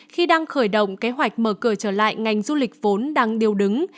khi đang khởi động kế hoạch mở cửa trở lại ngành du lịch vốn đang điều đứng